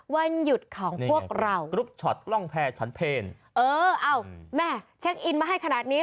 วันหยุดของพวกเรากรุ๊ปช็อตร่องแพร่ฉันเพลงเออเอ้าแม่เช็คอินมาให้ขนาดนี้